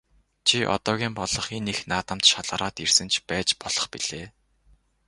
Чи одоогийн болох энэ их наадамд шалгараад ирсэн ч байж болох билээ.